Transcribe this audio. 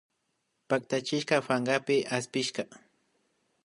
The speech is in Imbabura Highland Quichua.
Pactachishka pankapi aspishka